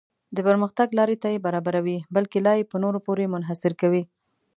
د پرمختګ لارې ته یې برابروي بلکې لا یې په نورو پورې منحصر کوي.